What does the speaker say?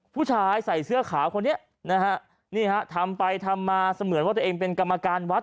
ผู้ชายใส่เสื้อขาวคนนี้นะฮะนี่ฮะทำไปทำมาเสมือนว่าตัวเองเป็นกรรมการวัด